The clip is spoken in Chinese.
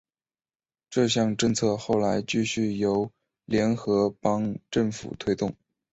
这项政策后来继续由联合邦政府推动。